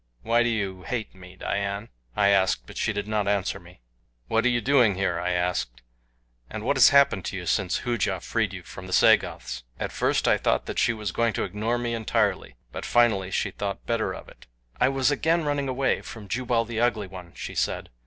"Why do you hate me, Dian?" I asked, but she did not answer me. "What are you doing here?" I asked, "and what has happened to you since Hooja freed you from the Sagoths?" At first I thought that she was going to ignore me entirely, but finally she thought better of it. "I was again running away from Jubal the Ugly One," she said.